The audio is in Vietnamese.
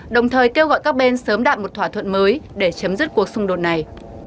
đồng thời kêu gọi các bên sớm đạt một thỏa thuận mới để chấm dứt cuộc xung đột này